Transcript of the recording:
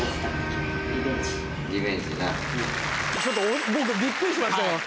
ちょっと僕びっくりしました。